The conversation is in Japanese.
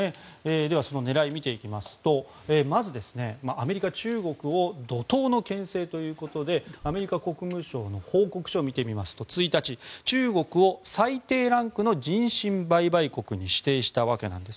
では、その狙いを見ていきますとまず、アメリカは中国を怒とうの牽制ということでアメリカ国務省の報告書を見てみますと、１日中国を最低ランクの人身売買国に指定したわけです。